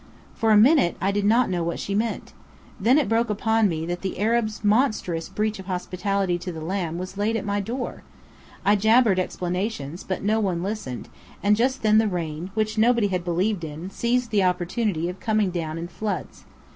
For a minute, I did not know what she meant. Then it broke upon me that the Arabs' monstrous breach of hospitality to the lamb was laid at my door. I jabbered explanations, but no one listened; and just then the rain, which nobody had believed in, seized the opportunity of coming down in floods.